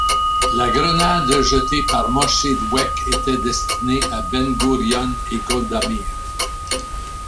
La grenade jetée par Moché Dwek était destinée à Ben Gourion et Golda Meir.